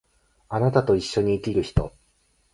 貴方と一緒に生きる人